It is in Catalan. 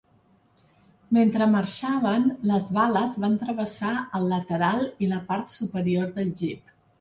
Mentre marxaven, les bales van travessar el lateral i la part superior del Jeep.